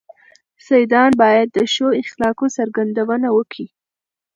سيدان بايد د ښو اخلاقو څرګندونه وکي.